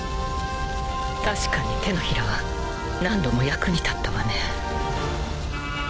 確かに手のひらは何度も役に立ったわね。